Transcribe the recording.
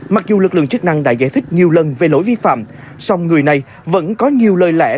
mặc dù lực lượng chức năng đã giải thích nhiều lần về lỗi vi phạm song người này vẫn có nhiều lời lẽ